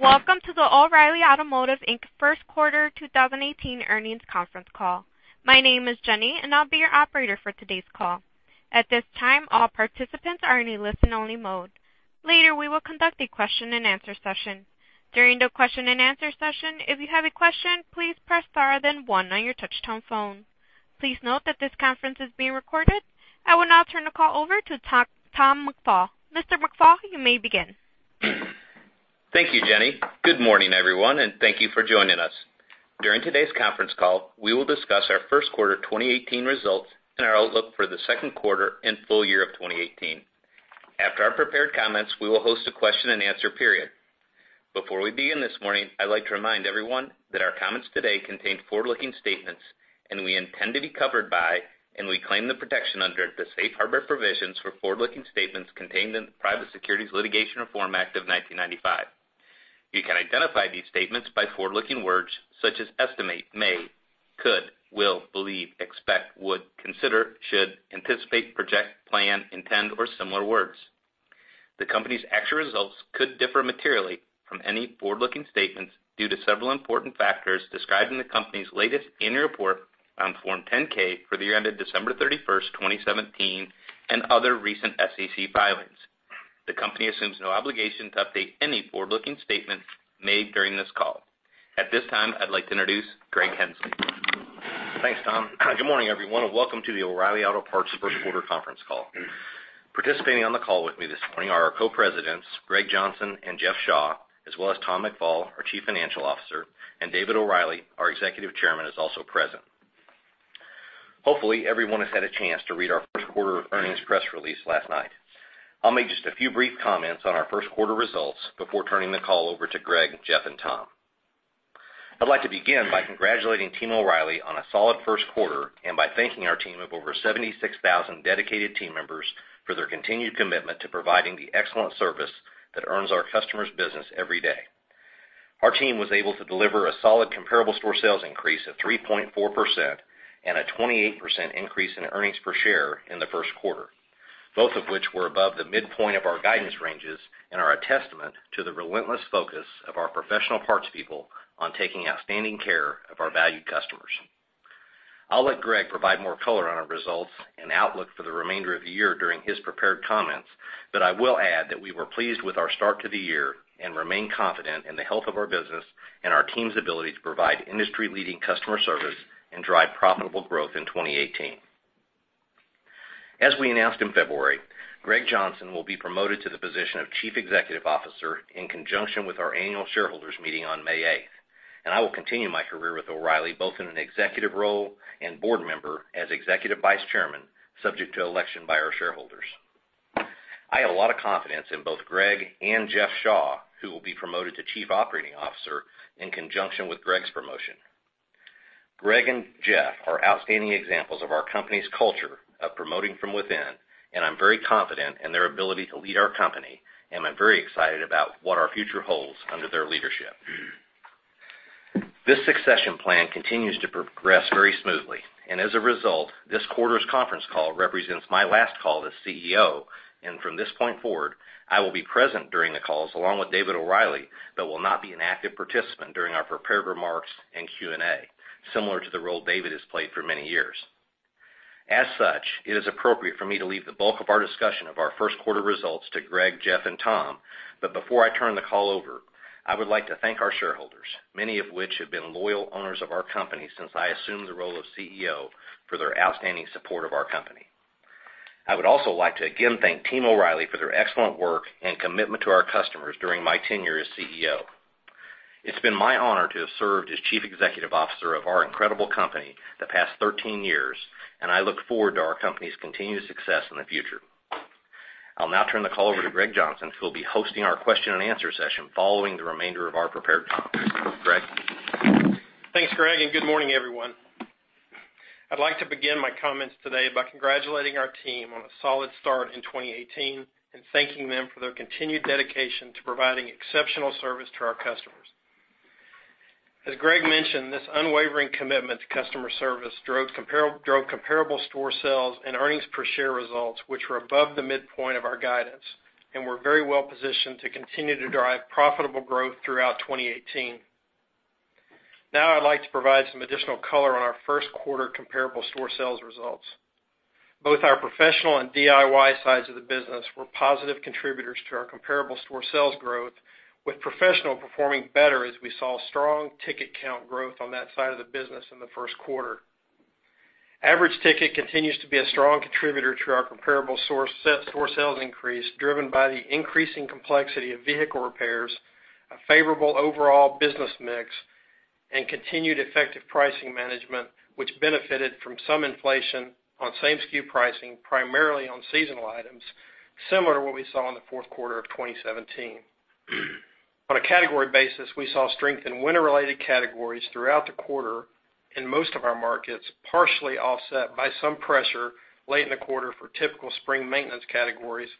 Welcome to the O’Reilly Automotive Inc. first quarter 2018 earnings conference call. My name is Jenny, and I'll be your operator for today's call. At this time, all participants are in a listen-only mode. Later, we will conduct a question and answer session. During the question and answer session, if you have a question, please press star then one on your touch-tone phone. Please note that this conference is being recorded. I will now turn the call over to Tom McFall. Mr. McFall, you may begin. Thank you, Jenny. Good morning, everyone, and thank you for joining us. During today's conference call, we will discuss our first quarter 2018 results and our outlook for the second quarter and full year of 2018. After our prepared comments, we will host a question and answer period. Before we begin this morning, I'd like to remind everyone that our comments today contain forward-looking statements, and we intend to be covered by, and we claim the protection under, the safe harbor provisions for forward-looking statements contained in the Private Securities Litigation Reform Act of 1995. You can identify these statements by forward-looking words such as estimate, may, could, will, believe, expect, would, consider, should, anticipate, project, plan, intend, or similar words. The company's actual results could differ materially from any forward-looking statements due to several important factors described in the company's latest annual report on Form 10-K for the year ended December 31st, 2017, and other recent SEC filings. The company assumes no obligation to update any forward-looking statements made during this call. At this time, I'd like to introduce Greg Henslee. Thanks, Tom. Good morning, everyone, and welcome to the O’Reilly Auto Parts first quarter conference call. Participating on the call with me this morning are our co-presidents, Greg Johnson and Jeff Shaw, as well as Tom McFall, our chief financial officer, and David O’Reilly, our executive chairman, is also present. Hopefully, everyone has had a chance to read our first quarter earnings press release last night. I'll make just a few brief comments on our first quarter results before turning the call over to Greg, Jeff, and Tom. I'd like to begin by congratulating Team O’Reilly on a solid first quarter and by thanking our team of over 76,000 dedicated team members for their continued commitment to providing the excellent service that earns our customers business every day. Our team was able to deliver a solid comparable store sales increase of 3.4% and a 28% increase in earnings per share in the first quarter, both of which were above the midpoint of our guidance ranges and are a testament to the relentless focus of our professional parts people on taking outstanding care of our valued customers. I'll let Greg provide more color on our results and outlook for the remainder of the year during his prepared comments, but I will add that we were pleased with our start to the year and remain confident in the health of our business and our team's ability to provide industry-leading customer service and drive profitable growth in 2018. As we announced in February, Greg Johnson will be promoted to the position of Chief Executive Officer in conjunction with our annual shareholders meeting on May 8th. I will continue my career with O’Reilly, both in an executive role and board member as Executive Vice Chairman, subject to election by our shareholders. I have a lot of confidence in both Greg and Jeff Shaw, who will be promoted to Chief Operating Officer in conjunction with Greg's promotion. Greg and Jeff are outstanding examples of our company's culture of promoting from within. I'm very confident in their ability to lead our company. I'm very excited about what our future holds under their leadership. This succession plan continues to progress very smoothly, and as a result, this quarter's conference call represents my last call as CEO, and from this point forward, I will be present during the calls along with David O’Reilly but will not be an active participant during our prepared remarks and Q&A, similar to the role David has played for many years. As such, it is appropriate for me to leave the bulk of our discussion of our first quarter results to Greg, Jeff, and Tom. Before I turn the call over, I would like to thank our shareholders, many of which have been loyal owners of our company since I assumed the role of CEO, for their outstanding support of our company. I would also like to again thank Team O’Reilly for their excellent work and commitment to our customers during my tenure as CEO. It's been my honor to have served as Chief Executive Officer of our incredible company the past 13 years, and I look forward to our company's continued success in the future. I'll now turn the call over to Greg Johnson, who'll be hosting our question and answer session following the remainder of our prepared comments. Greg? Thanks, Greg, good morning, everyone. I'd like to begin my comments today by congratulating our team on a solid start in 2018 and thanking them for their continued dedication to providing exceptional service to our customers. As Greg mentioned, this unwavering commitment to customer service drove comparable store sales and earnings per share results which were above the midpoint of our guidance and we're very well-positioned to continue to drive profitable growth throughout 2018. I'd like to provide some additional color on our first quarter comparable store sales results. Both our professional and DIY sides of the business were positive contributors to our comparable store sales growth, with professional performing better as we saw strong ticket count growth on that side of the business in the first quarter. Average ticket continues to be a strong contributor to our comparable store sales increase, driven by the increasing complexity of vehicle repairs, a favorable overall business mix, and continued effective pricing management, which benefited from some inflation on same-SKU pricing, primarily on seasonal items, similar to what we saw in the fourth quarter of 2017. On a category basis, we saw strength in winter-related categories throughout the quarter in most of our markets, partially offset by some pressure late in the quarter for typical spring maintenance categories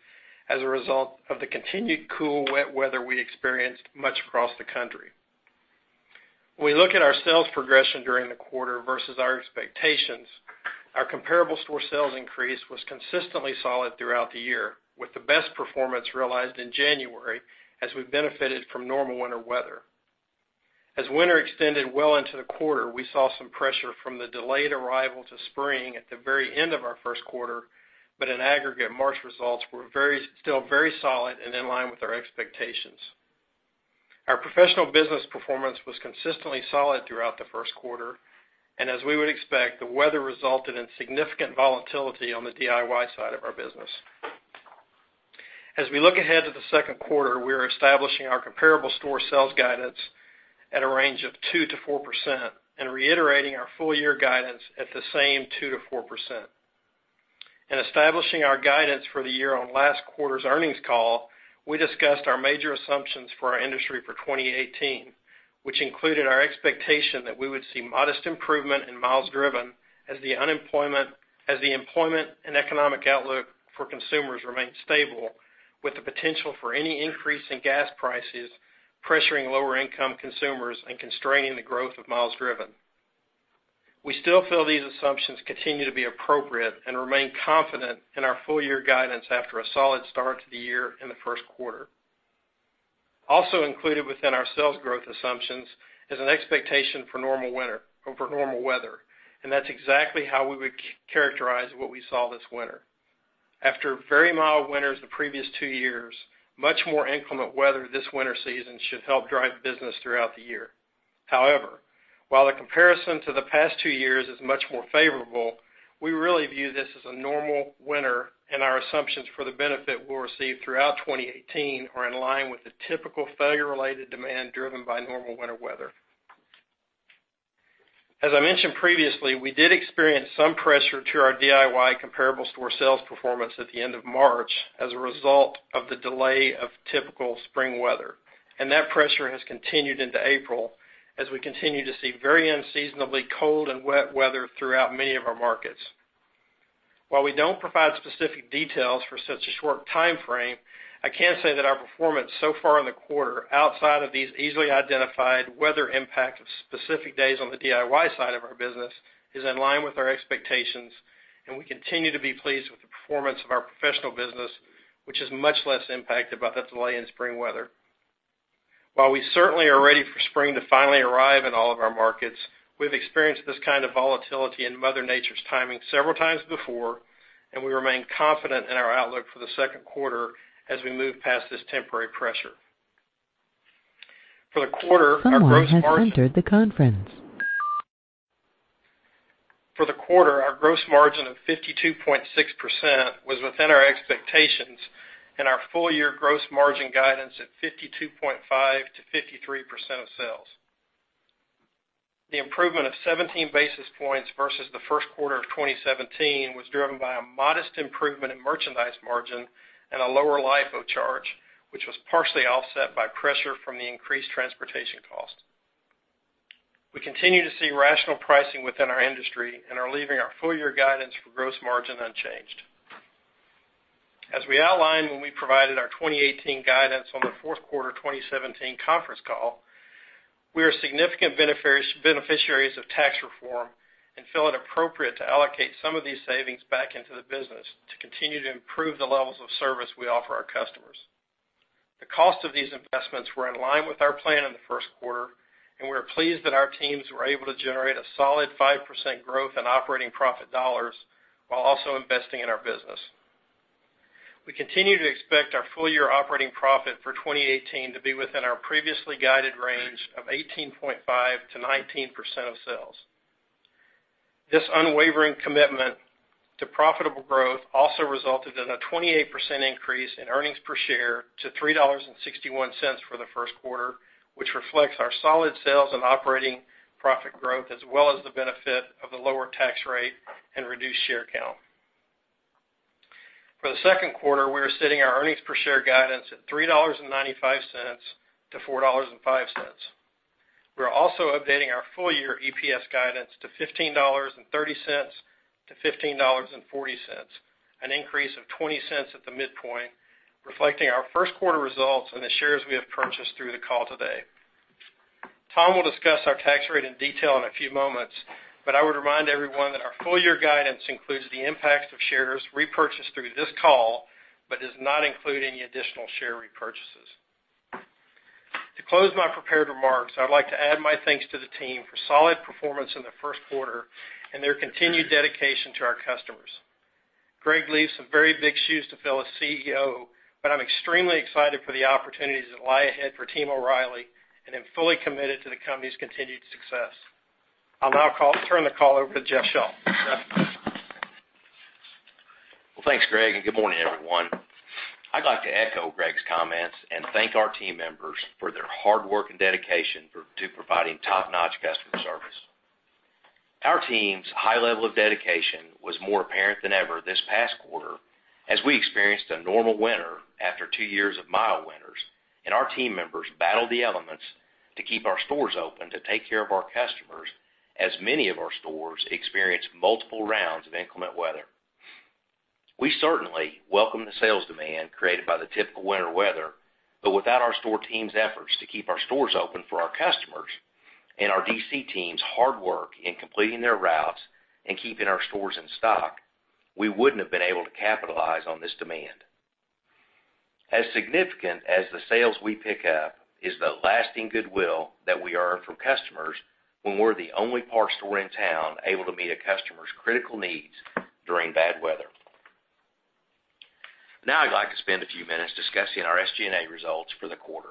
as a result of the continued cool, wet weather we experienced much across the country. When we look at our sales progression during the quarter versus our expectations, our comparable store sales increase was consistently solid throughout the year, with the best performance realized in January as we benefited from normal winter weather. As winter extended well into the quarter, we saw some pressure from the delayed arrival to spring at the very end of our first quarter. In aggregate, March results were still very solid and in line with our expectations. Our professional business performance was consistently solid throughout the first quarter. As we would expect, the weather resulted in significant volatility on the DIY side of our business. As we look ahead to the second quarter, we are establishing our comparable store sales guidance at a range of 2%-4% and reiterating our full year guidance at the same 2%-4%. In establishing our guidance for the year on last quarter's earnings call, we discussed our major assumptions for our industry for 2018, which included our expectation that we would see modest improvement in miles driven as the employment and economic outlook for consumers remained stable, with the potential for any increase in gas prices pressuring lower income consumers and constraining the growth of miles driven. We still feel these assumptions continue to be appropriate and remain confident in our full year guidance after a solid start to the year in the first quarter. Also included within our sales growth assumptions is an expectation for normal weather. That's exactly how we would characterize what we saw this winter. After very mild winters the previous two years, much more inclement weather this winter season should help drive business throughout the year. However, while the comparison to the past two years is much more favorable, we really view this as a normal winter, and our assumptions for the benefit we'll receive throughout 2018 are in line with the typical failure-related demand driven by normal winter weather. As I mentioned previously, we did experience some pressure to our DIY comparable store sales performance at the end of March as a result of the delay of typical spring weather, and that pressure has continued into April as we continue to see very unseasonably cold and wet weather throughout many of our markets. While we don't provide specific details for such a short time frame, I can say that our performance so far in the quarter, outside of these easily identified weather impact of specific days on the DIY side of our business, is in line with our expectations, and we continue to be pleased with the performance of our professional business, which is much less impacted by the delay in spring weather. While we certainly are ready for spring to finally arrive in all of our markets, we've experienced this kind of volatility in Mother Nature's timing several times before, and we remain confident in our outlook for the second quarter as we move past this temporary pressure. Someone has entered the conference. For the quarter, our gross margin of 52.6% was within our expectations and our full year gross margin guidance at 52.5%-53% of sales. The improvement of 17 basis points versus the first quarter of 2017 was driven by a modest improvement in merchandise margin and a lower LIFO charge, which was partially offset by pressure from the increased transportation cost. We continue to see rational pricing within our industry and are leaving our full year guidance for gross margin unchanged. As we outlined when we provided our 2018 guidance on the fourth quarter of 2017 conference call, we are significant beneficiaries of tax reform and feel it appropriate to allocate some of these savings back into the business to continue to improve the levels of service we offer our customers. The cost of these investments were in line with our plan in the first quarter, and we are pleased that our teams were able to generate a solid 5% growth in operating profit dollars while also investing in our business. We continue to expect our full year operating profit for 2018 to be within our previously guided range of 18.5%-19% of sales. This unwavering commitment to profitable growth also resulted in a 28% increase in earnings per share to $3.61 for the first quarter, which reflects our solid sales and operating profit growth, as well as the benefit of the lower tax rate and reduced share count. For the second quarter, we are setting our earnings per share guidance at $3.95-$4.05. We're also updating our full year EPS guidance to $15.30-$15.40, an increase of $0.20 at the midpoint, reflecting our first quarter results and the shares we have purchased through the call today. Tom will discuss our tax rate in detail in a few moments, but I would remind everyone that our full year guidance includes the impact of shares repurchased through this call, but does not include any additional share repurchases. To close my prepared remarks, I'd like to add my thanks to the team for solid performance in the first quarter and their continued dedication to our customers. Greg leaves some very big shoes to fill as CEO, but I'm extremely excited for the opportunities that lie ahead for Team O’Reilly, and am fully committed to the company's continued success. I'll now turn the call over to Jeff Shaw. Jeff? Well, thanks, Greg, and good morning, everyone. I'd like to echo Greg's comments and thank our team members for their hard work and dedication to providing top-notch customer service. Our team's high level of dedication was more apparent than ever this past quarter as we experienced a normal winter after two years of mild winters, and our team members battled the elements to keep our stores open to take care of our customers, as many of our stores experienced multiple rounds of inclement weather. We certainly welcome the sales demand created by the typical winter weather. Without our store teams' efforts to keep our stores open for our customers and our DC team's hard work in completing their routes and keeping our stores in stock, we wouldn't have been able to capitalize on this demand. As significant as the sales we pick up is the lasting goodwill that we earn from customers when we're the only parts store in town able to meet a customer's critical needs during bad weather. Now I'd like to spend a few minutes discussing our SG&A results for the quarter.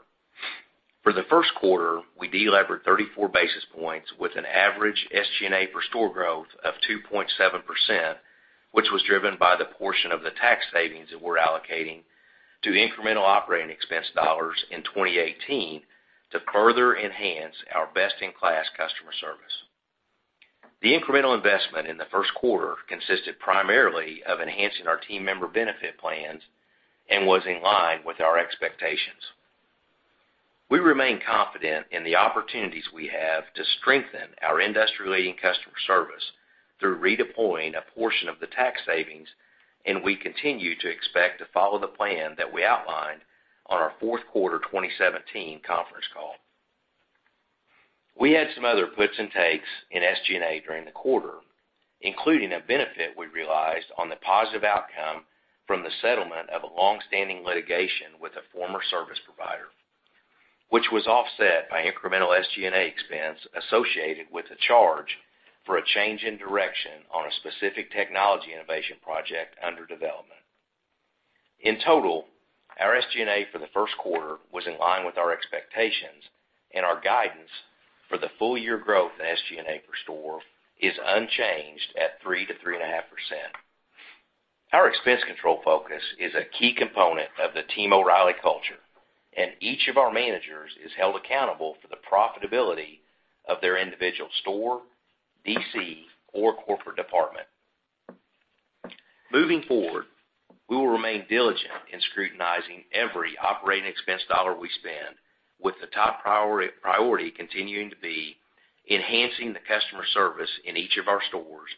For the first quarter, we delevered 34 basis points with an average SG&A per store growth of 2.7%, which was driven by the portion of the tax savings that we're allocating to incremental operating expense dollars in 2018 to further enhance our best-in-class customer service. The incremental investment in the first quarter consisted primarily of enhancing our team member benefit plans and was in line with our expectations. We remain confident in the opportunities we have to strengthen our industry-leading customer service through redeploying a portion of the tax savings. We continue to expect to follow the plan that we outlined on our fourth quarter 2017 conference call. We had some other puts and takes in SG&A during the quarter, including a benefit we realized on the positive outcome from the settlement of a longstanding litigation with a former service provider, which was offset by incremental SG&A expense associated with a charge for a change in direction on a specific technology innovation project under development. In total, our SG&A for the first quarter was in line with our expectations. Our guidance for the full year growth in SG&A per store is unchanged at 3%-3.5%. Our expense control focus is a key component of the Team O’Reilly culture, and each of our managers is held accountable for the profitability of their individual store, DC, or corporate department. Moving forward, we will remain diligent in scrutinizing every operating expense dollar we spend, with the top priority continuing to be enhancing the customer service in each of our stores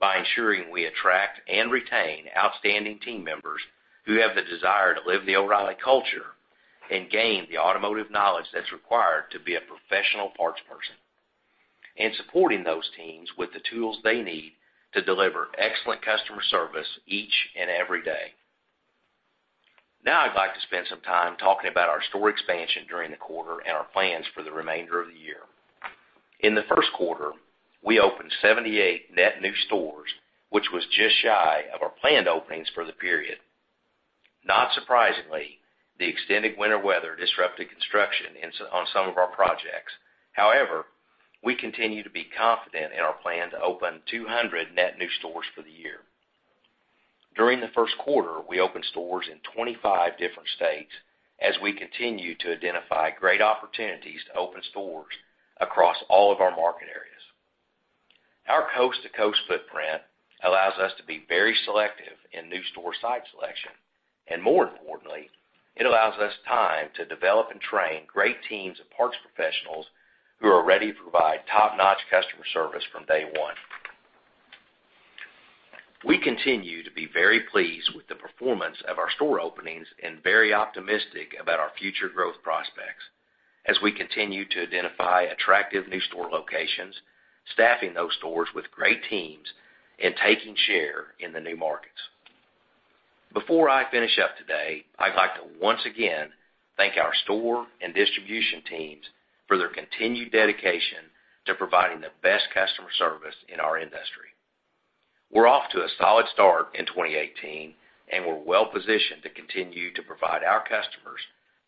by ensuring we attract and retain outstanding team members who have the desire to live the O’Reilly culture and gain the automotive knowledge that's required to be a professional parts person, and supporting those teams with the tools they need to deliver excellent customer service each and every day. I'd like to spend some time talking about our store expansion during the quarter and our plans for the remainder of the year. In the first quarter, we opened 78 net new stores, which was just shy of our planned openings for the period. Not surprisingly, the extended winter weather disrupted construction on some of our projects. However, we continue to be confident in our plan to open 200 net new stores for the year. During the first quarter, we opened stores in 25 different states as we continue to identify great opportunities to open stores across all of our market areas. Our coast-to-coast footprint allows us to be very selective in new store site selection, and more importantly, it allows us time to develop and train great teams of parts professionals who are ready to provide top-notch customer service from day one. We continue to be very pleased with the performance of our store openings and very optimistic about our future growth prospects as we continue to identify attractive new store locations, staffing those stores with great teams, and taking share in the new markets. Before I finish up today, I'd like to once again thank our store and distribution teams for their continued dedication to providing the best customer service in our industry. We're off to a solid start in 2018, and we're well-positioned to continue to provide our customers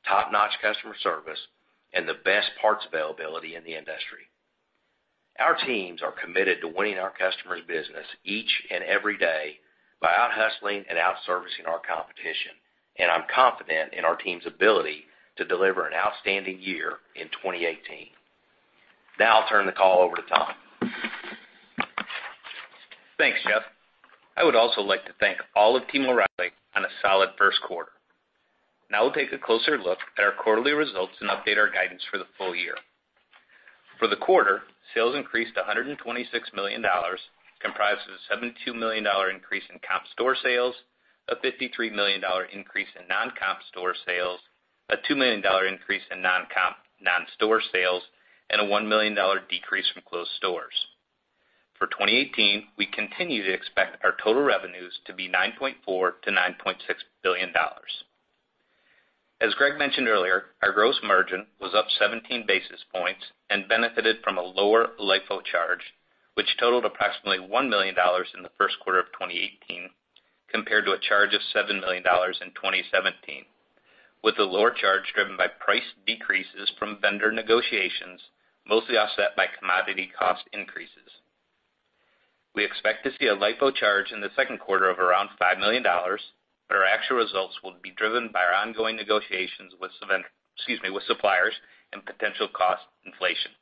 top-notch customer service and the best parts availability in the industry. Our teams are committed to winning our customers' business each and every day by out-hustling and out-servicing our competition, and I'm confident in our team's ability to deliver an outstanding year in 2018. I'll turn the call over to Tom. Thanks, Jeff. I would also like to thank all of Team O’Reilly on a solid first quarter. We'll take a closer look at our quarterly results and update our guidance for the full year. For the quarter, sales increased to $126 million, comprised of a $72 million increase in comp store sales, a $53 million increase in non-comp store sales, a $2 million increase in non-comp non-store sales, and a $1 million decrease from closed stores. For 2018, we continue to expect our total revenues to be $9.4 billion-$9.6 billion. As Greg mentioned earlier, our gross margin was up 17 basis points and benefited from a lower LIFO charge, which totaled approximately $1 million in the first quarter of 2018 compared to a charge of $7 million in 2017, with the lower charge driven by price decreases from vendor negotiations, mostly offset by commodity cost increases. We expect to see a LIFO charge in the second quarter of around $5 million. Our actual results will be driven by our ongoing negotiations with suppliers and potential cost inflation.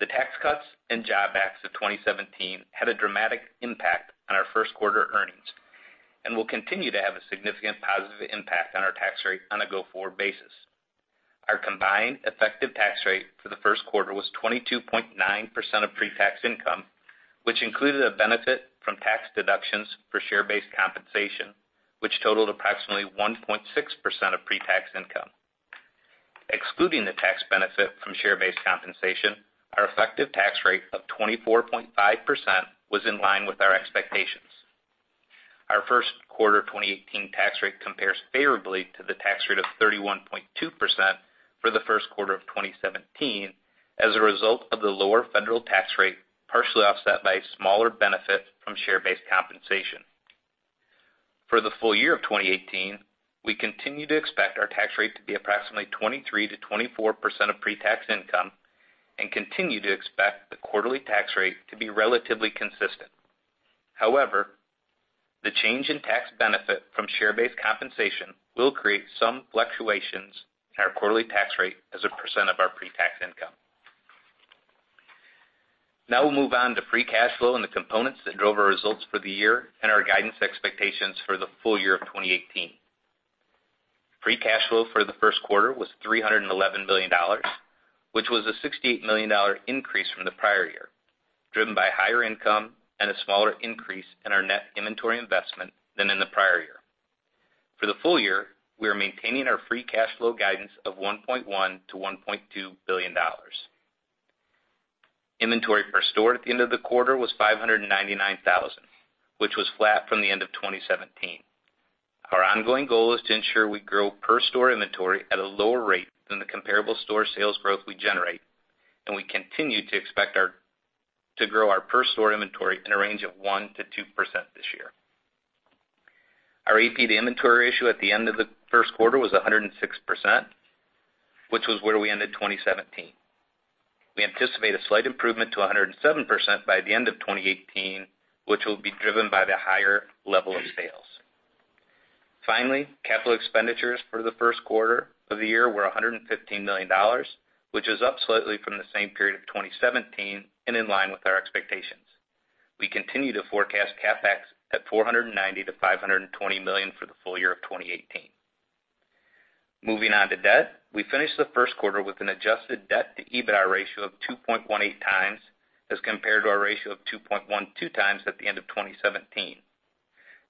The Tax Cuts and Jobs Act of 2017 had a dramatic impact on our first quarter earnings and will continue to have a significant positive impact on our tax rate on a go-forward basis. Our combined effective tax rate for the first quarter was 22.9% of pre-tax income, which included a benefit from tax deductions for share-based compensation, which totaled approximately 1.6% of pre-tax income. Excluding the tax benefit from share-based compensation, our effective tax rate of 24.5% was in line with our expectations. Our first quarter 2018 tax rate compares favorably to the tax rate of 31.2% for the first quarter of 2017 as a result of the lower federal tax rate, partially offset by a smaller benefit from share-based compensation. For the full year of 2018, we continue to expect our tax rate to be approximately 23%-24% of pre-tax income and continue to expect the quarterly tax rate to be relatively consistent. The change in tax benefit from share-based compensation will create some fluctuations in our quarterly tax rate as a percent of our pre-tax income. We'll move on to free cash flow and the components that drove our results for the year and our guidance expectations for the full year of 2018. Free cash flow for the first quarter was $311 million, which was a $68 million increase from the prior year, driven by higher income and a smaller increase in our net inventory investment than in the prior year. For the full year, we are maintaining our free cash flow guidance of $1.1 billion-$1.2 billion. Inventory per store at the end of the quarter was 599,000, which was flat from the end of 2017. Our ongoing goal is to ensure we grow per store inventory at a lower rate than the comparable store sales growth we generate. We continue to expect to grow our per store inventory in a range of 1%-2% this year. Our AP to inventory ratio at the end of the first quarter was 106%, which was where we ended 2017. We anticipate a slight improvement to 107% by the end of 2018, which will be driven by the higher level of sales. Capital expenditures for the first quarter of the year were $115 million, which is up slightly from the same period of 2017 and in line with our expectations. We continue to forecast CapEx at $490 million-$520 million for the full year of 2018. Moving on to debt. We finished the first quarter with an adjusted debt-to-EBITDA ratio of 2.18 times as compared to our ratio of 2.12 times at the end of 2017.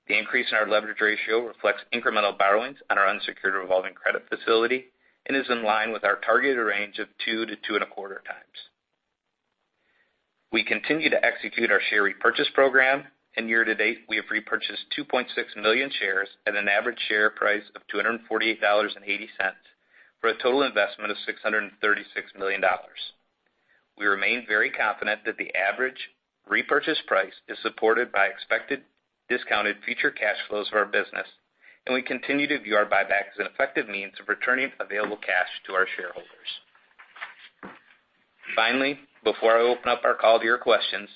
The increase in our leverage ratio reflects incremental borrowings on our unsecured revolving credit facility and is in line with our targeted range of 2 to 2.25 times. We continue to execute our share repurchase program. Year to date, we have repurchased 2.6 million shares at an average share price of $248.80 for a total investment of $636 million. We remain very confident that the average repurchase price is supported by expected discounted future cash flows for our business. We continue to view our buyback as an effective means of returning available cash to our shareholders. Finally, before I open up our call to your questions,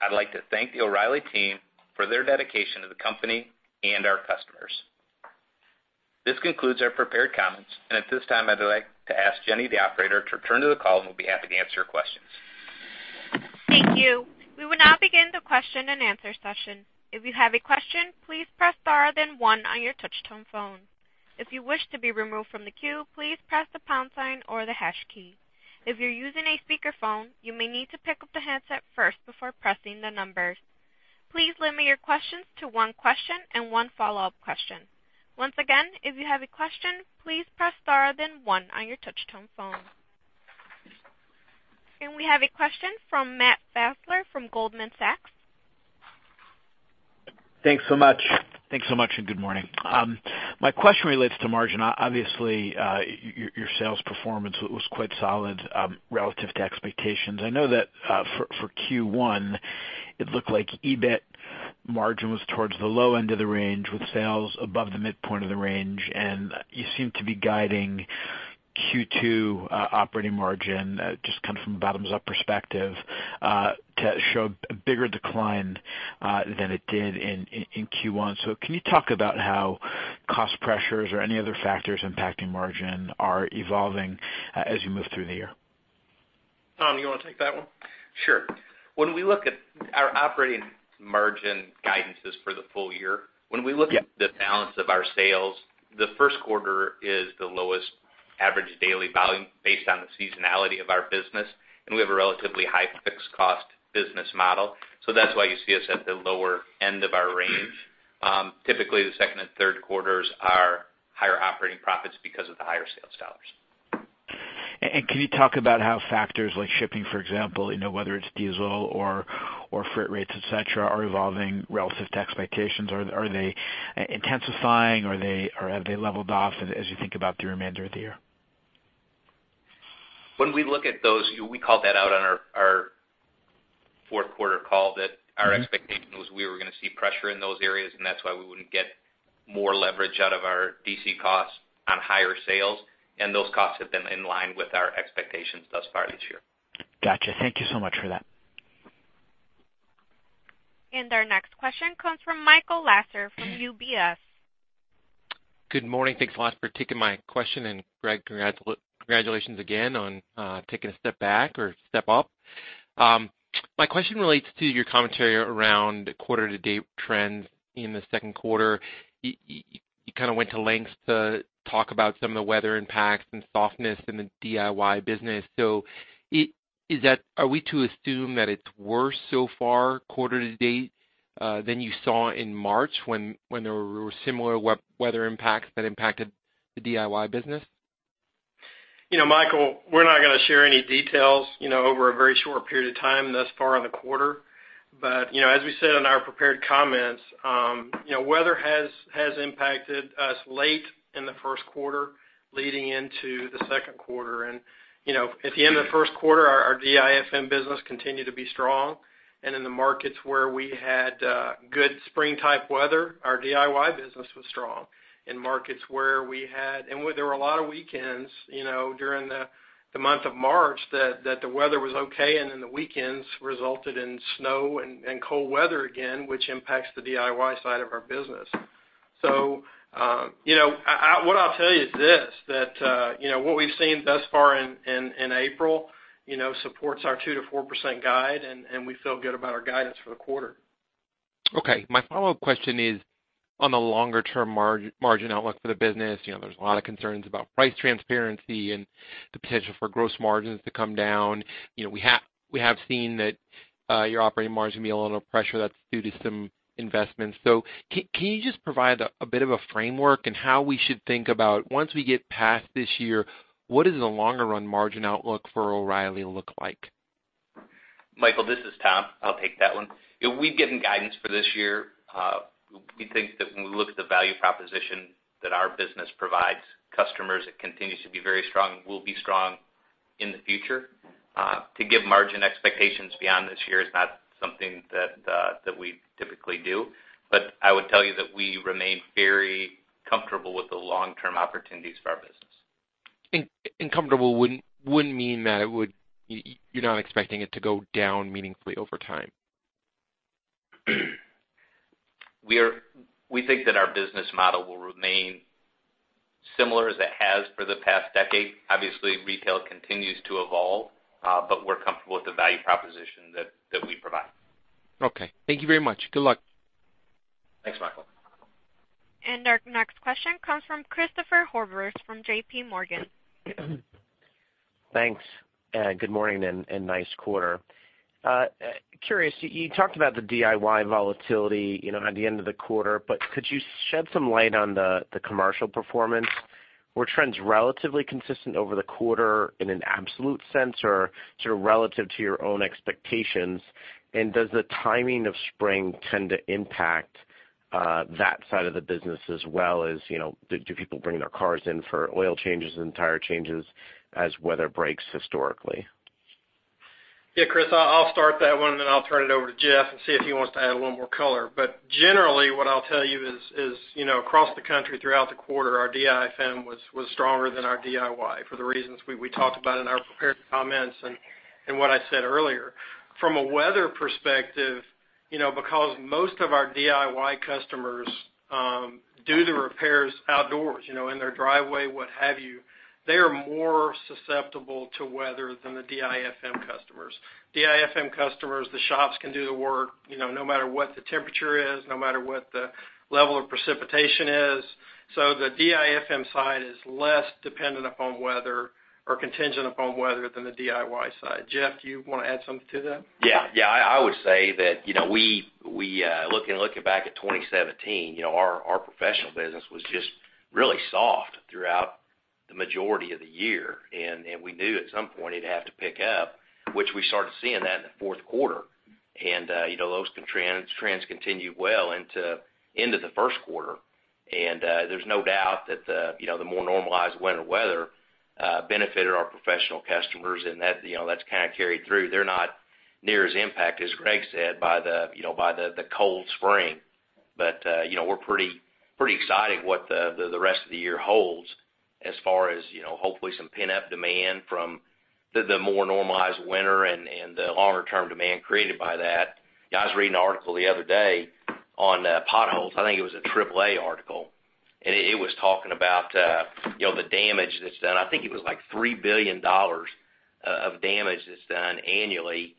I'd like to thank the Team O'Reilly for their dedication to the company and our customers. This concludes our prepared comments. At this time, I'd like to ask Jenny, the operator, to return to the call. We'll be happy to answer your questions. Thank you. We will now begin the question and answer session. If you have a question, please press star then one on your touch tone phone. If you wish to be removed from the queue, please press the pound sign or the hash key. If you're using a speakerphone, you may need to pick up the handset first before pressing the numbers. Please limit your questions to one question and one follow-up question. Once again, if you have a question, please press star then one on your touch-tone phone. We have a question from Matt Fassler from Goldman Sachs. Thanks so much. Thanks so much. Good morning. My question relates to margin. Obviously, your sales performance was quite solid relative to expectations. I know that for Q1, it looked like EBIT margin was towards the low end of the range with sales above the midpoint of the range. You seem to be guiding Q2 operating margin, just coming from a bottoms-up perspective, to show a bigger decline than it did in Q1. Can you talk about how cost pressures or any other factors impacting margin are evolving as you move through the year? Tom, you want to take that one? Sure. When we look at our operating margin guidances for the full year, when we look at the balance of our sales, the first quarter is the lowest average daily volume based on the seasonality of our business, and we have a relatively high fixed cost business model. That's why you see us at the lower end of our range. Typically, the second and third quarters are higher operating profits because of the higher sales dollars. Can you talk about how factors like shipping, for example, whether it's diesel or freight rates, et cetera, are evolving relative to expectations? Are they intensifying or have they leveled off as you think about the remainder of the year? When we look at those, we called that out on our fourth quarter call that our expectation was we were going to see pressure in those areas, and that's why we wouldn't get more leverage out of our DC costs on higher sales, and those costs have been in line with our expectations thus far this year. Got you. Thank you so much for that. Our next question comes from Michael Lasser from UBS. Good morning. Thanks a lot for taking my question. Greg, congratulations again on taking a step back or step up. My question relates to your commentary around quarter-to-date trends in the second quarter. You went to lengths to talk about some of the weather impacts and softness in the DIY business. Are we to assume that it's worse so far quarter-to-date than you saw in March when there were similar weather impacts that impacted the DIY business? Michael, we're not going to share any details over a very short period of time thus far in the quarter. As we said in our prepared comments, weather has impacted us late in the first quarter leading into the second quarter. At the end of the first quarter, our DIFM business continued to be strong. In the markets where we had good spring-type weather, our DIY business was strong. There were a lot of weekends, during the month of March that the weather was okay, and then the weekends resulted in snow and cold weather again, which impacts the DIY side of our business. What I'll tell you is this, that what we've seen thus far in April supports our 2%-4% guide, and we feel good about our guidance for the quarter. Okay. My follow-up question is on the longer-term margin outlook for the business. There's a lot of concerns about price transparency and the potential for gross margins to come down. We have seen that your operating margin be under a little pressure that's due to some investments. Can you just provide a bit of a framework in how we should think about, once we get past this year, what does the longer-run margin outlook for O'Reilly look like? Michael, this is Tom. I'll take that one. We've given guidance for this year. We think that when we look at the value proposition that our business provides customers, it continues to be very strong, will be strong in the future. To give margin expectations beyond this year is not something that we typically do, but I would tell you that we remain very comfortable with the long-term opportunities for our business. Comfortable wouldn't mean that you're now expecting it to go down meaningfully over time? We think that our business model will remain similar as it has for the past decade. Obviously, retail continues to evolve, but we're comfortable with the value proposition that we provide. Okay. Thank you very much. Good luck. Thanks, Michael. Our next question comes from Christopher Horvers from JPMorgan. Thanks. Good morning and nice quarter. Curious, you talked about the DIY volatility at the end of the quarter, but could you shed some light on the commercial performance? Were trends relatively consistent over the quarter in an absolute sense or sort of relative to your own expectations? Does the timing of spring tend to impact that side of the business as well as, do people bring their cars in for oil changes and tire changes as weather breaks historically? Yeah, Chris, I'll start that one, then I'll turn it over to Jeff and see if he wants to add a little more color. Generally, what I'll tell you is across the country throughout the quarter, our DIFM was stronger than our DIY for the reasons we talked about in our prepared comments and what I said earlier. From a weather perspective, because most of our DIY customers do the repairs outdoors, in their driveway, what have you, they are more susceptible to weather than the DIFM customers. DIFM customers, the shops can do the work no matter what the temperature is, no matter what the level of precipitation is. The DIFM side is less dependent upon weather or contingent upon weather than the DIY side. Jeff, do you want to add something to that? Yeah. I would say that looking back at 2017, our professional business was just really soft throughout the majority of the year, and we knew at some point it'd have to pick up, which we started seeing that in the fourth quarter. Those trends continued well into the first quarter. There's no doubt that the more normalized winter weather benefited our professional customers, and that's kind of carried through. They're not near as impacted, as Greg said, by the cold spring. We're pretty excited what the rest of the year holds as far as hopefully some pent-up demand from the more normalized winter and the longer-term demand created by that. I was reading an article the other day on potholes. I think it was a AAA article. It was talking about the damage that's done. I think it was like $3 billion of damage that's done annually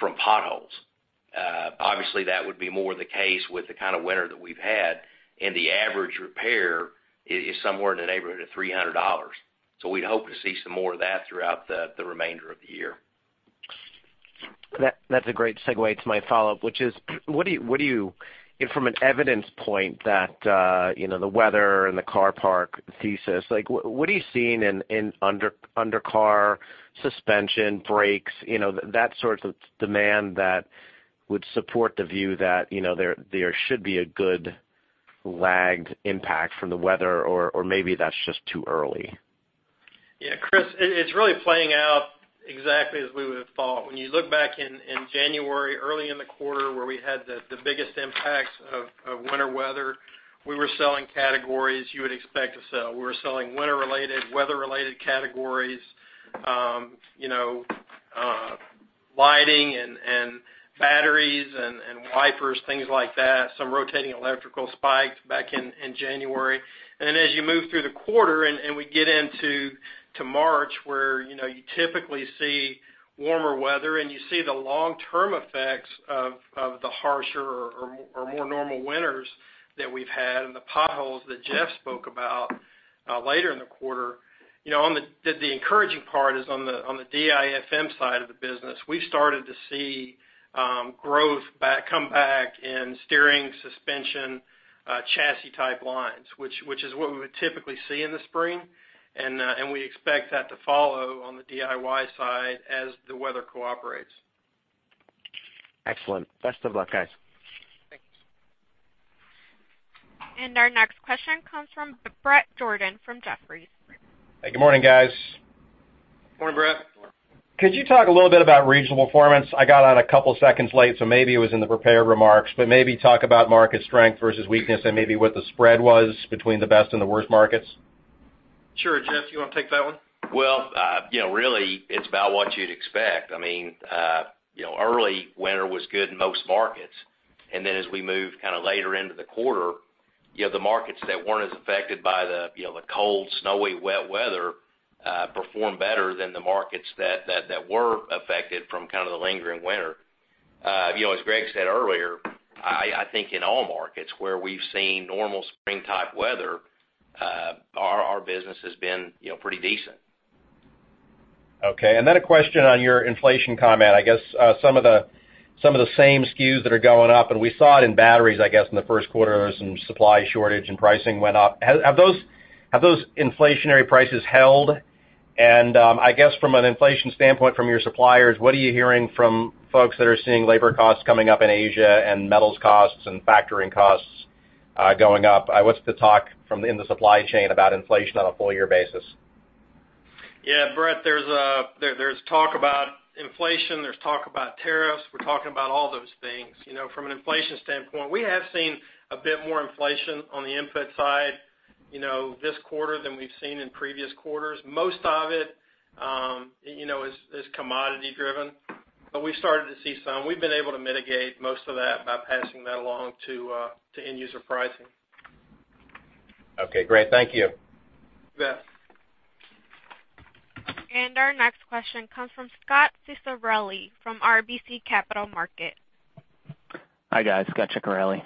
from potholes. Obviously, that would be more the case with the kind of winter that we've had, and the average repair is somewhere in the neighborhood of $300. We'd hope to see some more of that throughout the remainder of the year. That's a great segue to my follow-up, which is from an evidence point that the weather and the car park thesis, what are you seeing in undercar suspension, brakes, that sort of demand that would support the view that there should be a good lagged impact from the weather, or maybe that's just too early? Yeah, Chris, it's really playing out exactly as we would've thought. When you look back in January, early in the quarter where we had the biggest impacts of winter weather, we were selling categories you would expect to sell. We were selling winter-related, weather-related categories, lighting and batteries and wipers, things like that. Some rotating electrical spikes back in January. As you move through the quarter, and we get into March, where you typically see warmer weather, and you see the long-term effects of the harsher or more normal winters that we've had, and the potholes that Jeff spoke about later in the quarter. The encouraging part is on the DIFM side of the business, we started to see growth come back in steering, suspension, chassis-type lines, which is what we would typically see in the spring. We expect that to follow on the DIY side as the weather cooperates. Excellent. Best of luck, guys. Thank you. Our next question comes from Bret Jordan from Jefferies. Hey, good morning, guys. Morning, Bret. Could you talk a little bit about regional performance? I got on a couple of seconds late, so maybe it was in the prepared remarks, but maybe talk about market strength versus weakness and maybe what the spread was between the best and the worst markets. Sure. Jeff, you want to take that one? Well, really, it's about what you'd expect. Early winter was good in most markets, then as we moved kind of later into the quarter, the markets that weren't as affected by the cold, snowy, wet weather performed better than the markets that were affected from kind of the lingering winter. As Greg said earlier, I think in all markets where we've seen normal spring-type weather our business has been pretty decent. Okay. Then a question on your inflation comment. I guess some of the same SKUs that are going up, and we saw it in batteries, I guess, in the first quarter, there was some supply shortage and pricing went up. Have those inflationary prices held? I guess from an inflation standpoint, from your suppliers, what are you hearing from folks that are seeing labor costs coming up in Asia and metals costs and factory costs going up? What's the talk in the supply chain about inflation on a full-year basis? Yeah, Bret, there's talk about inflation. There's talk about tariffs. We're talking about all those things. From an inflation standpoint, we have seen a bit more inflation on the input side this quarter than we've seen in previous quarters. Most of it is commodity driven, we started to see some. We've been able to mitigate most of that by passing that along to end-user pricing. Okay, great. Thank you. You bet. Our next question comes from Scot Ciccarelli from RBC Capital Markets. Hi, guys. Scot Ciccarelli.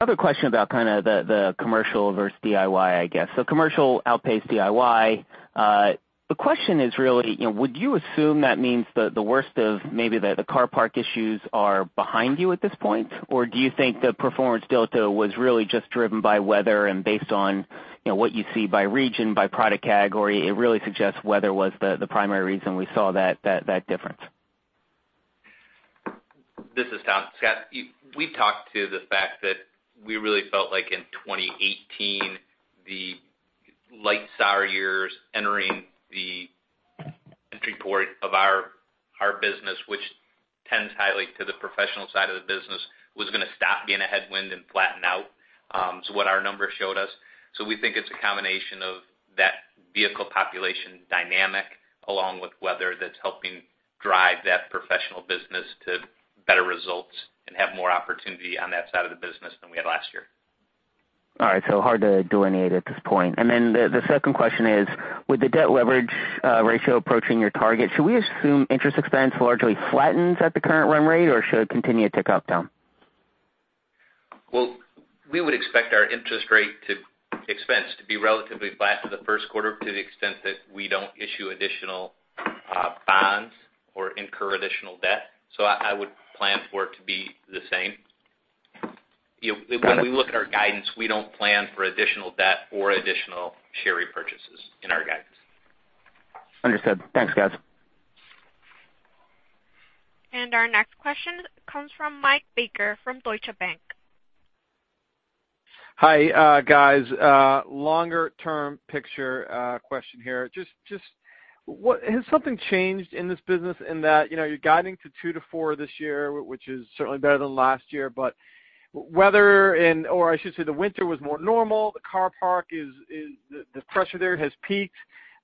Other question about kind of the commercial versus DIY, I guess. Commercial outpaced DIY. The question is really, would you assume that means the worst of maybe the car park issues are behind you at this point? Do you think the performance delta was really just driven by weather and based on what you see by region, by product category, it really suggests weather was the primary reason we saw that difference? This is Tom. Scot, we've talked to the fact that we really felt like in 2018, the light vehicle years entering the entry port of our business, which tends highly to the professional side of the business, was going to stop being a headwind and flatten out, is what our numbers showed us. We think it's a combination of that vehicle population dynamic along with weather that's helping drive that professional business to better results and have more opportunity on that side of the business than we had last year. All right, hard to delineate at this point. The second question is, with the debt leverage ratio approaching your target, should we assume interest expense largely flattens at the current run rate, or should it continue to tick up, Tom? Well, we would expect our interest rate expense to be relatively flat for the first quarter to the extent that we don't issue additional bonds or incur additional debt. I would plan for it to be the same. When we look at our guidance, we don't plan for additional debt or additional share repurchases in our guidance. Understood. Thanks, guys. Our next question comes from Mike Baker from Deutsche Bank. Hi, guys. Longer-term picture question here. Just has something changed in this business in that you're guiding to 2% to 4% this year, which is certainly better than last year, but weather, or I should say the winter was more normal. The car park, the pressure there has peaked.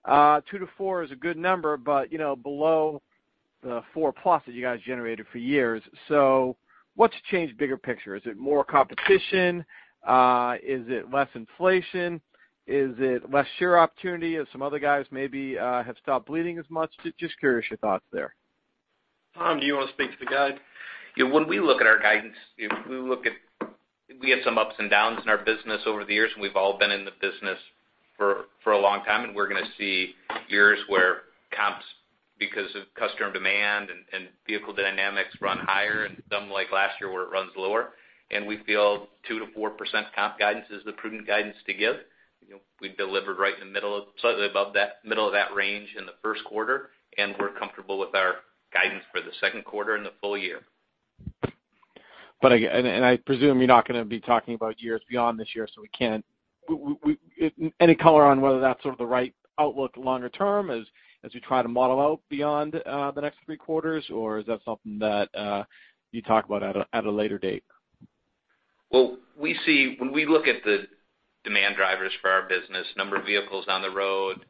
2% to 4% is a good number, but below the 4%+ that you guys generated for years. What's changed bigger picture? Is it more competition? Is it less inflation? Is it less share opportunity as some other guys maybe have stopped bleeding as much? Just curious your thoughts there. Tom, do you want to speak to the guide? When we look at our guidance, we have some ups and downs in our business over the years, and we've all been in the business for a long time, and we're going to see years where comps, because of customer demand and vehicle dynamics run higher and some like last year where it runs lower, and we feel 2% to 4% comp guidance is the prudent guidance to give. We've delivered right in the middle of, slightly above that middle of that range in the first quarter, and we're comfortable with our guidance for the second quarter and the full year. I presume you're not going to be talking about years beyond this year, so we can't. Any color on whether that's sort of the right outlook longer term as you try to model out beyond the next three quarters? Is that something that you talk about at a later date? When we look at the demand drivers for our business, number of vehicles on the road,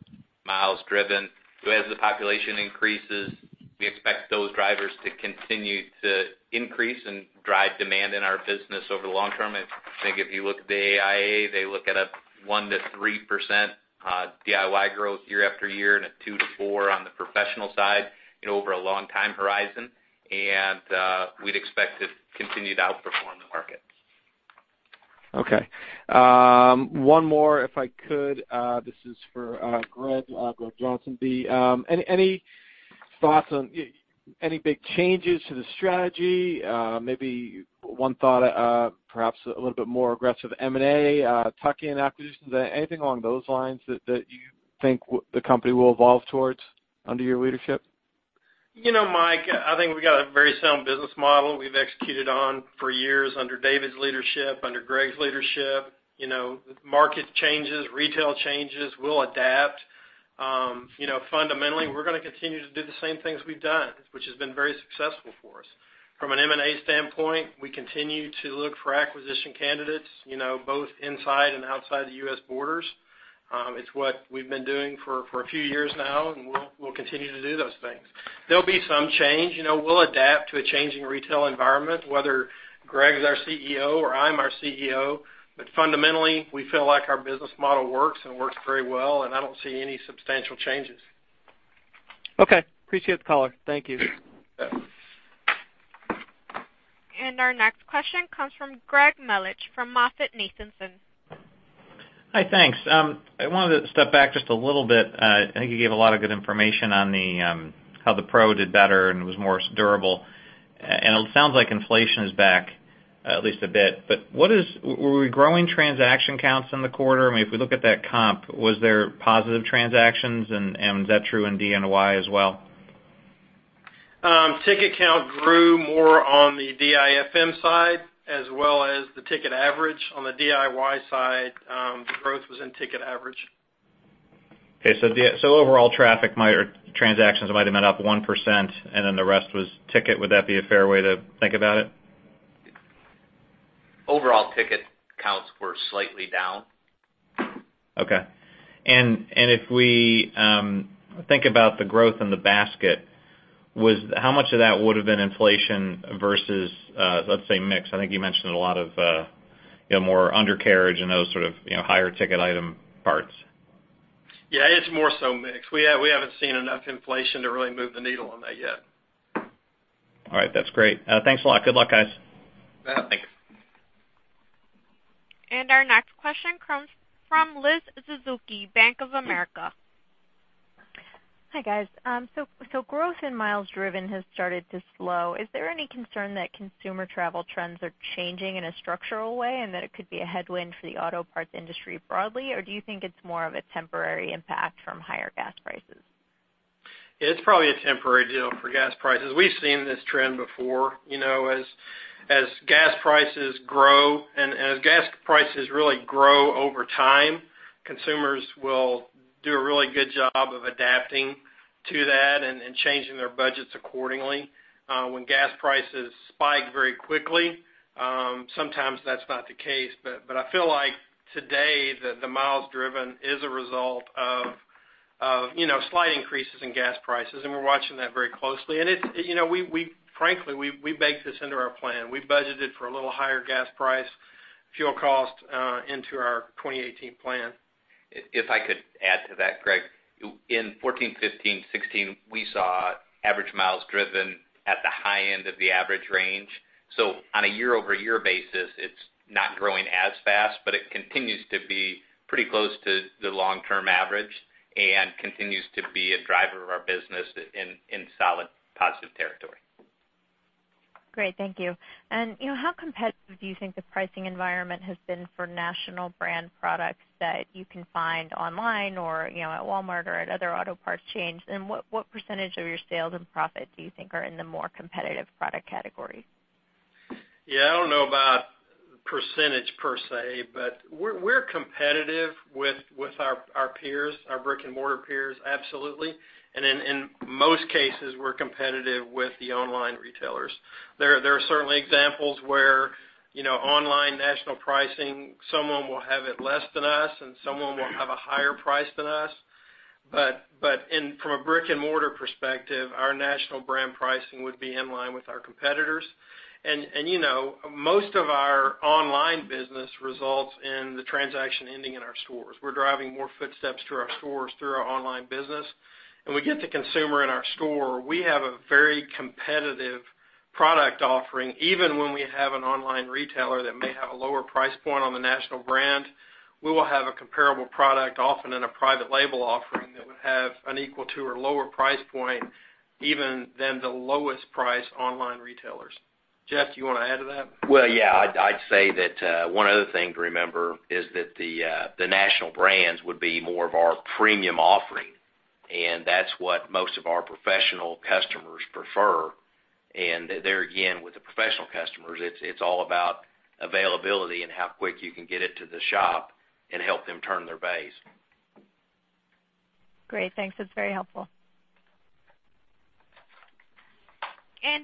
miles driven, as the population increases, we expect those drivers to continue to increase and drive demand in our business over the long term. I think if you look at the AIA, they look at a 1% to 3% DIY growth year after year and a 2% to 4% on the professional side and over a long time horizon, and we'd expect to continue to outperform the market. Okay. One more if I could. This is for Greg Johnson. Any thoughts on any big changes to the strategy? Maybe one thought, perhaps a little bit more aggressive M&A, tuck-in acquisitions. Anything along those lines that you think the company will evolve towards under your leadership? Mike, I think we've got a very sound business model we've executed on for years under David's leadership, under Greg's leadership. Market changes, retail changes, we'll adapt. Fundamentally, we're going to continue to do the same things we've done, which has been very successful for us. From an M&A standpoint, we continue to look for acquisition candidates, both inside and outside the U.S. borders. It's what we've been doing for a few years now, and we'll continue to do those things. There'll be some change. We'll adapt to a changing retail environment, whether Greg is our CEO or I'm our CEO. Fundamentally, we feel like our business model works and works very well, and I don't see any substantial changes. Okay. Appreciate the color. Thank you. Our next question comes from Greg Melich, from MoffettNathanson. Hi, thanks. I wanted to step back just a little bit. I think you gave a lot of good information on how the pro did better and was more durable, and it sounds like inflation is back, at least a bit. Were we growing transaction counts in the quarter? If we look at that comp, was there positive transactions, and was that true in DIY as well? Ticket count grew more on the DIFM side as well as the ticket average. On the DIY side, the growth was in ticket average. Okay. Overall traffic transactions might have been up 1%, and then the rest was ticket. Would that be a fair way to think about it? Overall ticket counts were slightly down. Okay. If we think about the growth in the basket, how much of that would've been inflation versus, let's say, mix? I think you mentioned a lot of more undercarriage and those sort of higher ticket item parts. Yeah, it's more so mix. We haven't seen enough inflation to really move the needle on that yet. All right. That's great. Thanks a lot. Good luck, guys. Thanks. Our next question comes from Elizabeth Suzuki, Bank of America. Hi, guys. Growth in miles driven has started to slow. Is there any concern that consumer travel trends are changing in a structural way, and that it could be a headwind for the auto parts industry broadly, or do you think it's more of a temporary impact from higher gas prices? It's probably a temporary deal for gas prices. We've seen this trend before. As gas prices really grow over time, consumers will do a really good job of adapting to that and changing their budgets accordingly. When gas prices spike very quickly, sometimes that's not the case, but I feel like today, the miles driven is a result of slight increases in gas prices, and we're watching that very closely. Frankly, we baked this into our plan. We budgeted for a little higher gas price, fuel cost, into our 2018 plan. If I could add to that, Greg. In 2014, 2015, 2016, we saw average miles driven at the high end of the average range. On a year-over-year basis, it's not growing as fast, but it continues to be pretty close to the long-term average and continues to be a driver of our business in solid, positive territory. Great. Thank you. How competitive do you think the pricing environment has been for national brand products that you can find online or at Walmart or at other auto parts chains? What % of your sales and profit do you think are in the more competitive product category? Yeah, I don't know about percentage per se, but we're competitive with our peers, our brick-and-mortar peers, absolutely. In most cases, we're competitive with the online retailers. There are certainly examples where online national pricing, someone will have it less than us, and someone will have a higher price than us. From a brick-and-mortar perspective, our national brand pricing would be in line with our competitors. Most of our online business results in the transaction ending in our stores. We're driving more footsteps to our stores through our online business. When we get the consumer in our store, we have a very competitive product offering, even when we have an online retailer that may have a lower price point on the national brand, we will have a comparable product, often in a private label offering that would have an equal to or lower price point even than the lowest price online retailers. Jeff, do you want to add to that? Well, yeah. I'd say that one other thing to remember is that the national brands would be more of our premium offering, and that's what most of our professional customers prefer. There again, with the professional customers, it's all about availability and how quick you can get it to the shop and help them turn their bays. Great. Thanks. That's very helpful.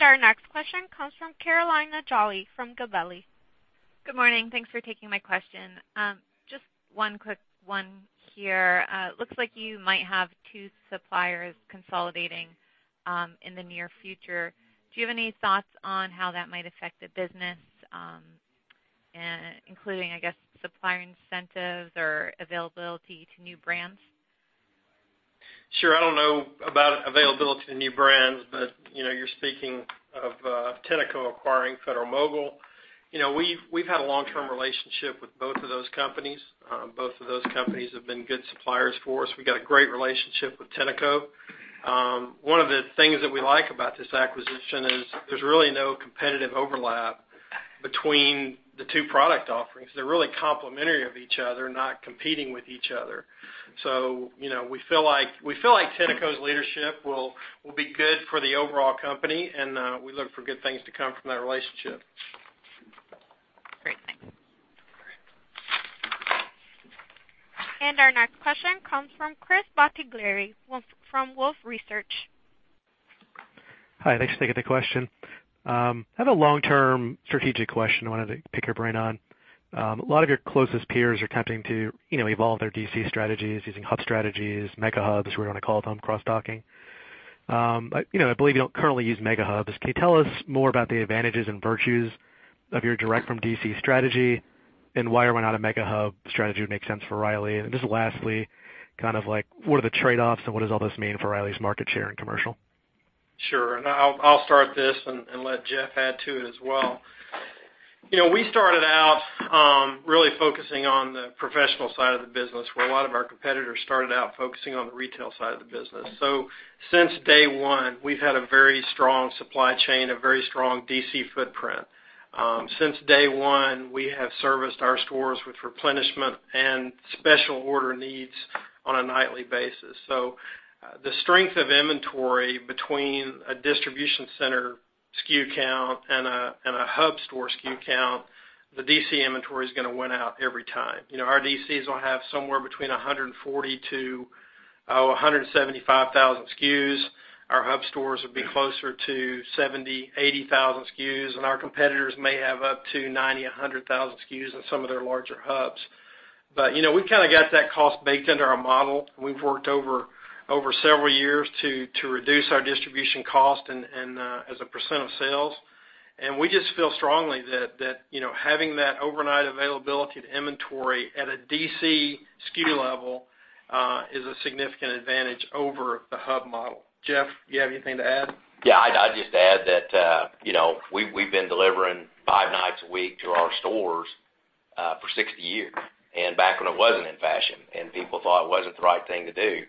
Our next question comes from Carolina Jolly from Gabelli. Good morning. Thanks for taking my question. Just one quick one here. Looks like you might have two suppliers consolidating in the near future. Do you have any thoughts on how that might affect the business, including, I guess, supplier incentives or availability to new brands? Sure. I don't know about availability to new brands, but you're speaking of Tenneco acquiring Federal-Mogul. We've had a long-term relationship with both of those companies. Both of those companies have been good suppliers for us. We got a great relationship with Tenneco. One of the things that we like about this acquisition is there's really no competitive overlap between the two product offerings. They're really complementary of each other, not competing with each other. We feel like Tenneco's leadership will be good for the overall company, and we look for good things to come from that relationship. Great. Thanks. Our next question comes from Chris Bottiglieri from Wolfe Research. Hi, thanks for taking the question. I have a long-term strategic question I wanted to pick your brain on. A lot of your closest peers are attempting to evolve their DC strategies using hub strategies, mega hubs, we're going to call them, cross-docking. I believe you don't currently use mega hubs. Can you tell us more about the advantages and virtues of your direct from DC strategy, and why or why not a mega hub strategy would make sense for O'Reilly? Just lastly, what are the trade-offs and what does all this mean for O'Reilly's market share in commercial? Sure, I'll start this and let Jeff add to it as well. We started out really focusing on the professional side of the business, where a lot of our competitors started out focusing on the retail side of the business. Since day one, we've had a very strong supply chain, a very strong DC footprint. Since day one, we have serviced our stores with replenishment and special order needs on a nightly basis. The strength of inventory between a distribution center SKU count and a hub store SKU count, the DC inventory is going to win out every time. Our DCs will have somewhere between 140,000-175,000 SKUs. Our hub stores will be closer to 70,000-80,000 SKUs, and our competitors may have up to 90,000-100,000 SKUs in some of their larger hubs. We've kind of got that cost baked into our model. We've worked over several years to reduce our distribution cost as a percent of sales. We just feel strongly that having that overnight availability to inventory at a DC SKU level is a significant advantage over the hub model. Jeff, you have anything to add? Yeah, I'd just add that we've been delivering five nights a week to our stores for 60 years. Back when it wasn't in fashion and people thought it wasn't the right thing to do,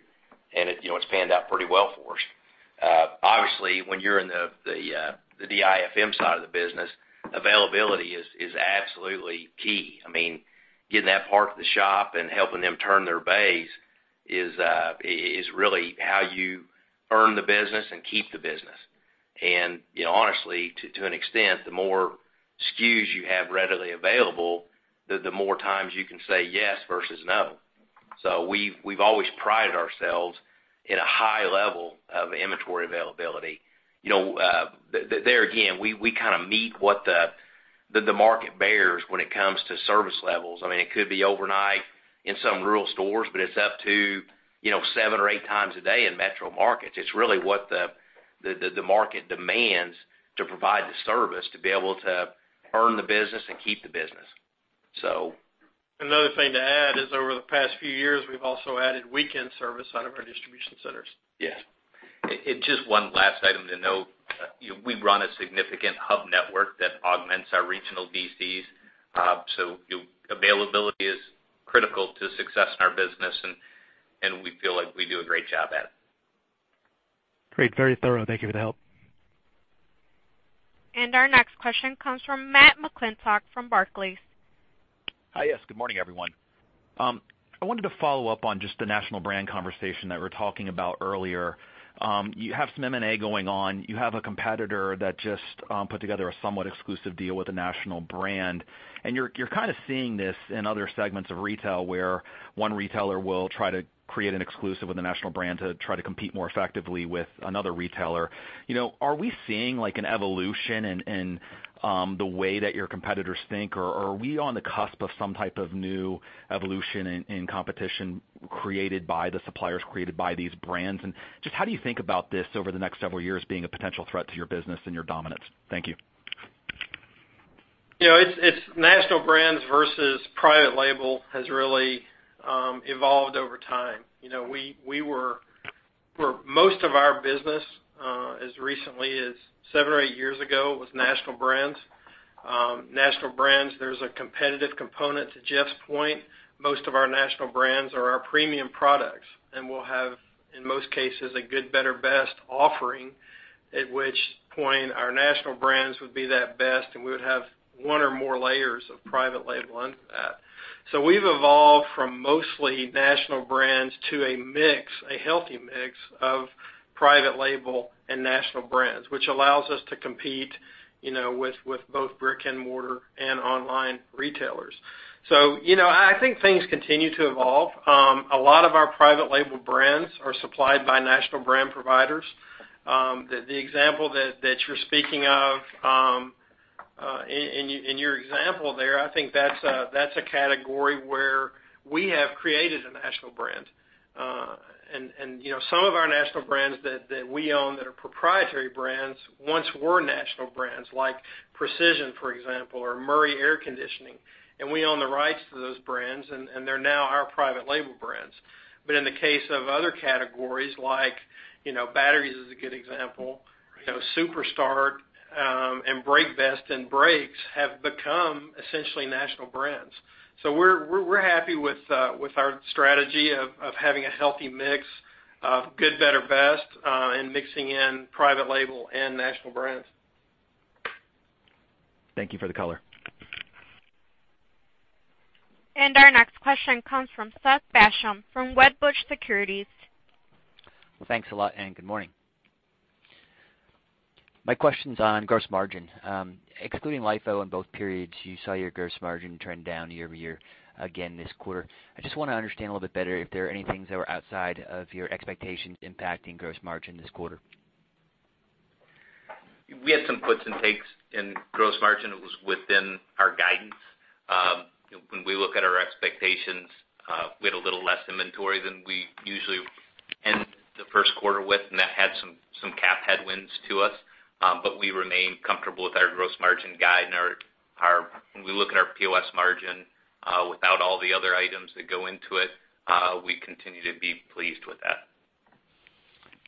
it's panned out pretty well for us. Obviously, when you're in the DIFM side of the business, availability is absolutely key. Getting that part to the shop and helping them turn their base is really how you earn the business and keep the business. Honestly, to an extent, the more SKUs you have readily available, the more times you can say yes versus no. We've always prided ourselves in a high level of inventory availability. There again, we kind of meet what the market bears when it comes to service levels. It could be overnight in some rural stores, but it's up to seven or eight times a day in metro markets. It's really what the market demands to provide the service to be able to earn the business and keep the business. Another thing to add is over the past few years, we've also added weekend service out of our distribution centers. Yes. Just one last item to note. We run a significant hub network that augments our regional DCs. Availability is critical to success in our business. We feel like we do a great job at it. Great. Very thorough. Thank you for the help. Our next question comes from Matt McClintock from Barclays. Hi, yes. Good morning, everyone. I wanted to follow up on just the national brand conversation that we're talking about earlier. You have some M&A going on. You have a competitor that just put together a somewhat exclusive deal with a national brand, and you're kind of seeing this in other segments of retail where one retailer will try to create an exclusive with a national brand to try to compete more effectively with another retailer. Are we seeing an evolution in the way that your competitors think, or are we on the cusp of some type of new evolution in competition created by the suppliers, created by these brands? Just how do you think about this over the next several years being a potential threat to your business and your dominance? Thank you. It's national brands versus private label has really evolved over time. Most of our business as recently as seven or eight years ago was national brands. National brands, there's a competitive component. To Jeff's point, most of our national brands are our premium products, and we'll have, in most cases, a good, better, best offering, at which point our national brands would be that best, and we would have one or more layers of private label under that. We've evolved from mostly national brands to a mix, a healthy mix of private label and national brands, which allows us to compete with both brick and mortar and online retailers. I think things continue to evolve. A lot of our private label brands are supplied by national brand providers. The example that you're speaking of. In your example there, I think that's a category where we have created a national brand. Some of our national brands that we own that are proprietary brands once were national brands, like Precision, for example, or Murray Air Conditioning. We own the rights to those brands, and they're now our private label brands. In the case of other categories, like batteries is a good example, Super Start, and BrakeBest and brakes have become essentially national brands. We're happy with our strategy of having a healthy mix of good, better, best, and mixing in private label and national brands. Thank you for the color. Our next question comes from Seth Basham from Wedbush Securities. Well, thanks a lot, and good morning. My question's on gross margin. Excluding LIFO in both periods, you saw your gross margin trend down year-over-year again this quarter. I just want to understand a little bit better if there are any things that were outside of your expectations impacting gross margin this quarter. We had some puts and takes in gross margin. It was within our guidance. When we look at our expectations, we had a little less inventory than we usually end the first quarter with, and that had some CapEx headwinds to us. We remain comfortable with our gross margin guide and when we look at our POS margin, without all the other items that go into it, we continue to be pleased with that.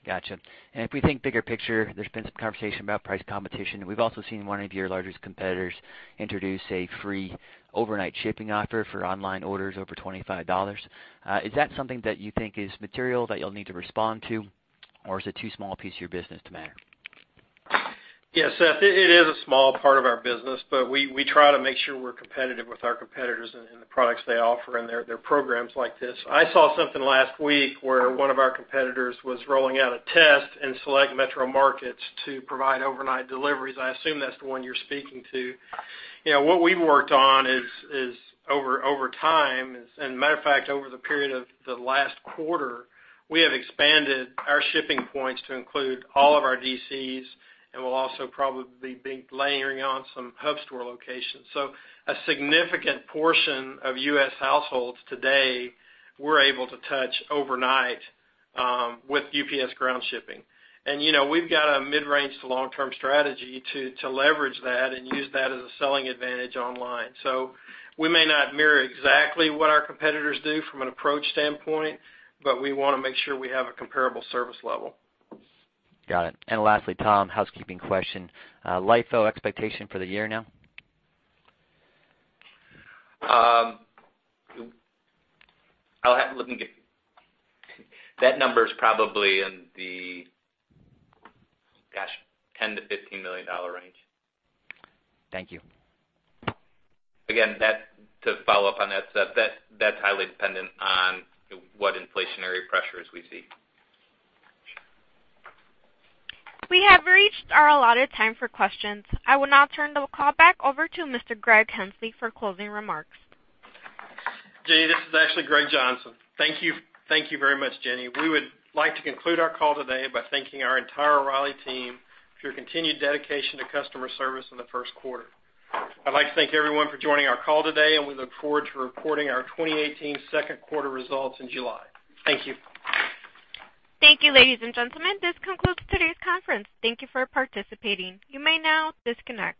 Got you. If we think bigger picture, there's been some conversation about price competition, and we've also seen one of your largest competitors introduce a free overnight shipping offer for online orders over $25. Is that something that you think is material that you'll need to respond to, or is it too small a piece of your business to matter? Seth, it is a small part of our business, but we try to make sure we're competitive with our competitors and the products they offer and their programs like this. I saw something last week where one of our competitors was rolling out a test in select metro markets to provide overnight deliveries. I assume that's the one you're speaking to. What we've worked on is over time, and matter of fact, over the period of the last quarter, we have expanded our shipping points to include all of our DCs, and we'll also probably be layering on some hub store locations. A significant portion of U.S. households today, we're able to touch overnight with UPS ground shipping. We've got a mid-range to long-term strategy to leverage that and use that as a selling advantage online. We may not mirror exactly what our competitors do from an approach standpoint, but we want to make sure we have a comparable service level. Got it. Lastly, Tom, housekeeping question. LIFO expectation for the year now? That number's probably in the, gosh, $10 million-$15 million range. Thank you. Again, to follow up on that, Seth, that's highly dependent on what inflationary pressures we see. We have reached our allotted time for questions. I will now turn the call back over to Mr. Greg Henslee for closing remarks. Jenny, this is actually Greg Johnson. Thank you very much, Jenny. We would like to conclude our call today by thanking our entire O'Reilly team for your continued dedication to customer service in the first quarter. I'd like to thank everyone for joining our call today, and we look forward to reporting our 2018 second quarter results in July. Thank you. Thank you, ladies and gentlemen. This concludes today's conference. Thank you for participating. You may now disconnect.